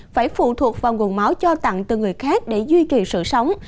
phải phụ thuộc vào nguồn máu cho tặng từ người khác để duy trì sự sống